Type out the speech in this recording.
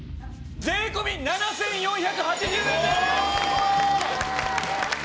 税込７４８０円です！ああ！